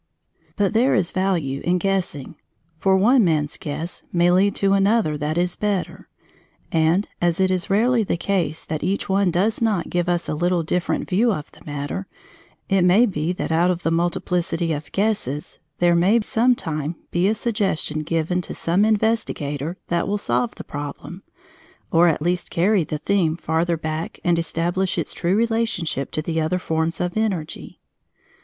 But there is value in guessing, for one man's guess may lead to another that is better, and, as it is rarely the case that each one does not give us a little different view of the matter, it may be that out of the multiplicity of guesses there may some time be a suggestion given to some investigator that will solve the problem, or at least carry the theme farther back and establish its true relationship to the other forms of energy.